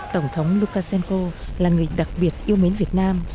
tổng thống lukashenko là người đặc biệt yêu mến việt nam